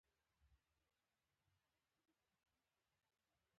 احمد نو اوس ګونډې ووهلې؛ کار نه کوي.